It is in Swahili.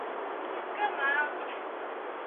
ati democrat wakishinda viti mia moja